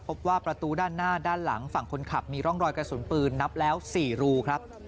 พบว่าประตูด้านหน้าด้านหลังฝั่งคนขับมีร่องรอยกระสุนปืนนับแล้ว๔รูครับ